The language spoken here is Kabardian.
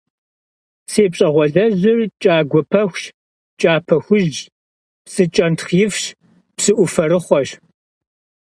Си пщӏэгъуалэжьыр кӏагуэ пэхущ, кӏапэ хужьщ, псы кӏэнтхъ ифщ, псыӏуфэрыхъуэщ.